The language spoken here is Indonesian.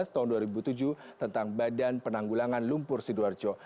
tahun dua ribu tujuh tentang badan penanggulangan lumpur sidoarjo